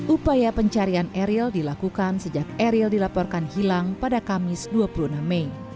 upaya pencarian eril dilakukan sejak eril dilaporkan hilang pada kamis dua puluh enam mei